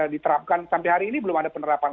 diterapkan sampai hari ini belum ada penerapan